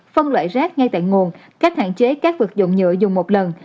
phân loại rác ngay tại nguồn cách hạn chế các vật dụng nhựa dùng một lần